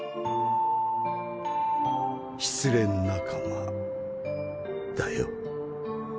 失恋仲間だよ。